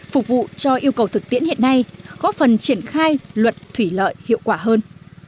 phục vụ cho yêu cầu thực tiễn hiện nay góp phần triển khai luật thủy lợi hiệu quả hơn